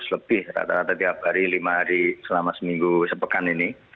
seratus lebih rata rata tiap hari lima hari selama seminggu sepekan ini